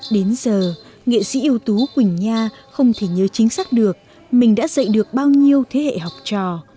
đến giờ nghệ sĩ ưu tú quỳnh nha không thể nhớ chính xác được mình đã dạy được bao nhiêu thế hệ học trò